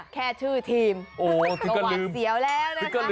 แค่ชื่อทีมก็หวัดเสียวแล้วนะคะ